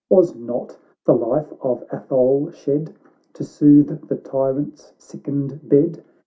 Was not the life of Atholex shed, To soothe the tyrant's sickened bed?